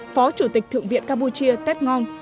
phó chủ tịch thượng viện campuchia tết ngon